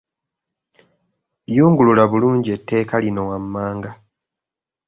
Yungulula bulungi etteeka lino wammanga.